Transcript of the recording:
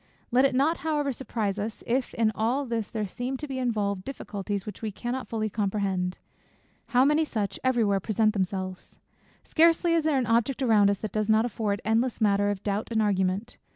Let it not however surprise us, if in all this there seem to be involved difficulties which we cannot fully comprehend. How many such every where present themselves! Scarcely is there an object around us, that does not afford endless matter of doubt and argument.